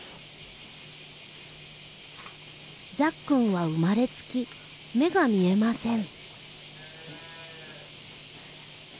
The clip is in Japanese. ザッくんは生まれつき目が見えません。